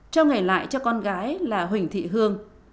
cho ngày lại cho con gái là huỳnh thị hương